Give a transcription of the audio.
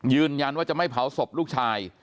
ยืนยันว่าจะไม่เผาศพลูกชาย